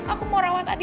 aku mau rawat adi